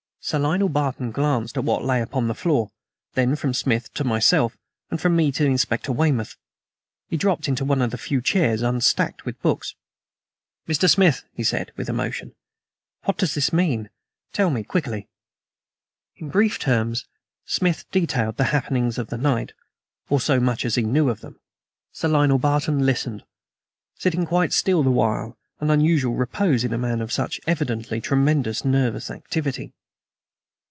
Sir Lionel Barton glanced at what lay upon the floor, then from Smith to myself, and from me to Inspector Weymouth. He dropped into one of the few chairs unstacked with books. "Mr. Smith," he said, with emotion, "what does this mean? Tell me quickly." In brief terms Smith detailed the happenings of the night or so much as he knew of them. Sir Lionel Barton listened, sitting quite still the while an unusual repose in a man of such evidently tremendous nervous activity.